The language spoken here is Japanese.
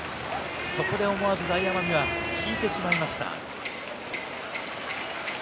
そこで思わず大奄美は引いてしまいました。